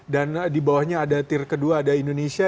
dan di bawahnya ada tier kedua ada indonesia